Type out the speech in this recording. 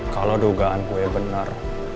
kalau dugaan gue benar